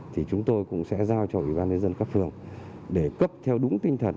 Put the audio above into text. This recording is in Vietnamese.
thì chúng tôi cũng sẽ giao cho ủy ban liên dân các phương để cấp theo đúng tinh thần